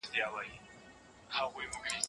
محتوا باید تازه وساتل شي ترڅو باور دوامداره پاتې شي.